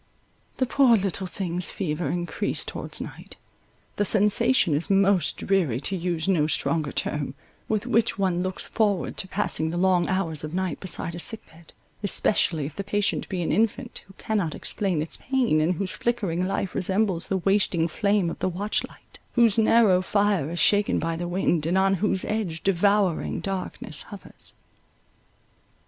The poor little thing's fever encreased towards night. The sensation is most dreary, to use no stronger term, with which one looks forward to passing the long hours of night beside a sick bed, especially if the patient be an infant, who cannot explain its pain, and whose flickering life resembles the wasting flame of the watch light, Whose narrow fire Is shaken by the wind, and on whose edge Devouring darkness hovers.